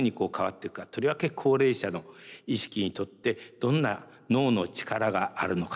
とりわけ高齢者の意識にとってどんな農の力があるのか。